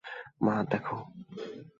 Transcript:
মা, দ্যাখো।